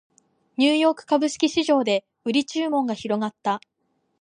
ニューヨーク株式市場で売り注文が広がった